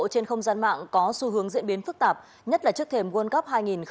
trên không gian mạng có xu hướng diễn biến phức tạp nhất là trước thềm world cup hai nghìn hai mươi